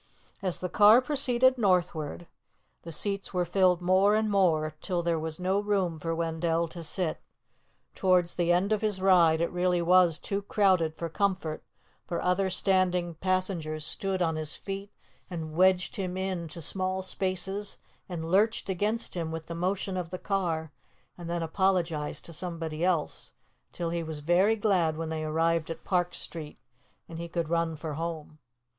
As the car proceeded northward, the seats were filled more and more, till there was no room for Wendell to sit. Towards the end of his ride, it really was too crowded for comfort, for other standing passengers stood on his feet, and wedged him in to small spaces, and lurched against him with the motion of the car, and then apologized to somebody else, till he was very glad when they arrived at Park Street, and he could run for home.